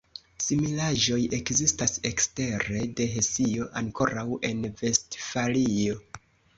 Similaĵoj ekzistas ekstere de Hesio ankoraŭ en Vestfalio.